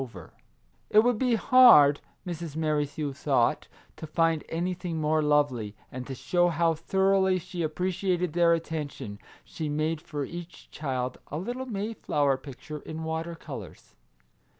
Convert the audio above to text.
124 Our Little Canadian Cousin It would be hard, Mrs. Merrithew thought, to find anything more lovely, and to show how thoroughly she appreciated their attention, she made for each child a little Mayflower picture in water colours.